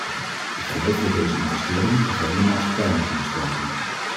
Ik geloof dat deze investeringen de gehele maatschappij moeten bestrijken.